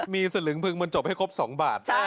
มีเสริงพึงบดจบให้ครบ๒บาท